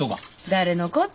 誰のこと？